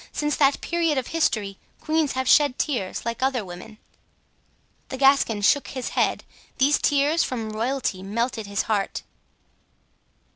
Since that period of history queens have shed tears, like other women. The Gascon shook his head, these tears from royalty melted his heart.